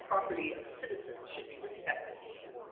x. property of citizens should be respected.